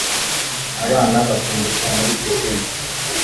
Abana basimbukira muri pisine